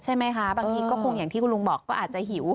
บางทีก็คงอย่างที่คุณลุงบอกก็อาจจะหิว